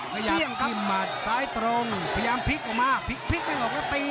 พยายามพิมมาสายตรงพยายามพลิกออกมาพลิกพลิกให้ออกแล้วตี